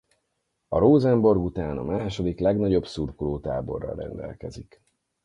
A Rosenborg után a második legnagyobb szurkolótáborral rendelkezik.